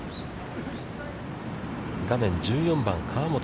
画面１４番河本。